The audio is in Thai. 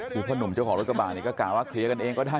คือพ่อหนุ่มเจ้าของรถกระบาดเนี่ยก็กล่าวว่าเคลียร์กันเองก็ได้